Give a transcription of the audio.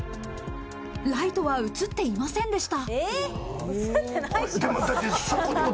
ライトは映っていませんでした。